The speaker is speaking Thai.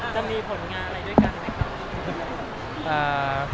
จะมีผลงานอะไรด้วยกัน